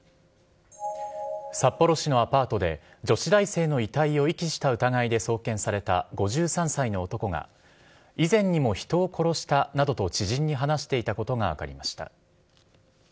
札幌市のアパートで女子大生の遺体を遺棄した疑いで送検された５３歳の男が以前にも人を殺したなどと知人に話していたことが分かりました。